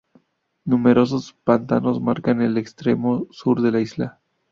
Numerosos pantanos marcan el extremo sur de la isla.